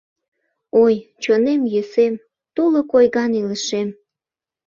Ой, чонем-йӧсем, тулык ойган илышем